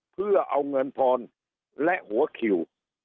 เพื่อเอาเงินพรและหัวคิว